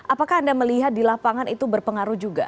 apakah anda melihat di lapangan itu berpengaruh juga